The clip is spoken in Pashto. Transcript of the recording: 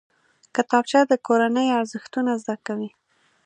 کتابچه د کورنۍ ارزښتونه زده کوي